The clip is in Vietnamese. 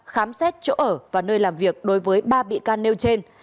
khám xét chỗ ở và nơi làm việc đối với ba bị can nêu trên